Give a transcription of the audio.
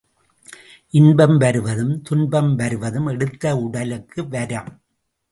இன்பம் வருவதும் துன்பம் வருவதும் எடுத்த உடலுக்கு வரம்.